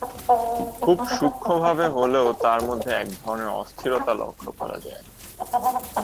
খুব সূক্ষ্মভাবে হলেও তার মধ্যে এক ধরনের অস্থিরতা লক্ষ করা যায়।